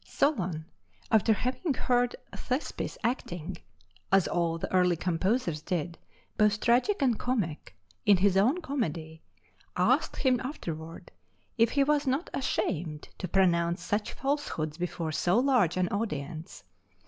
Solon, after having heard Thespis acting (as all the early composers did, both tragic and comic) in his own comedy, asked him afterward if he was not ashamed to pronounce such falsehoods before so large an audience.